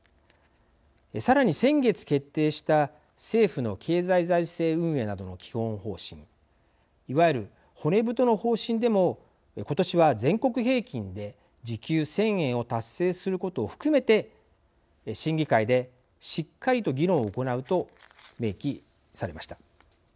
さらに先月、決定した政府の経済財政運営などの基本方針いわゆる、骨太の方針でも今年は全国平均で時給１０００円を達成することを含めて審議会でしっかりと議論を行うと明記されました。